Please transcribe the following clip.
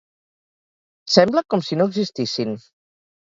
Sembla com si no existissin.